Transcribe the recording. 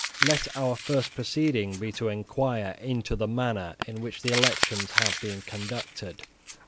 Let our first proceeding be to enquire into the manner in which the elections have been conducted.